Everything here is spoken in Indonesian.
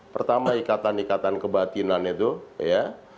pertama ikatan ikatan kebatinan itu ya